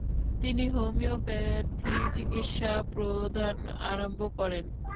তিনি হোমিওপ্যাথি চিকিৎসা প্রদান আরম্ভ করেন।